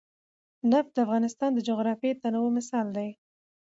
نفت د افغانستان د جغرافیوي تنوع مثال دی.